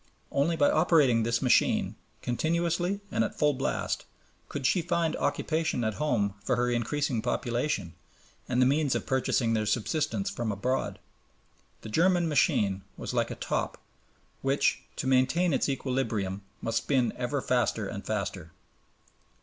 Only by operating this machine, continuously and at full blast, could she find occupation at home for her increasing population and the means of purchasing their subsistence from abroad. The German machine was like a top which to maintain its equilibrium must spin ever faster and faster.